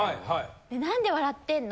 「なんで笑ってんの？」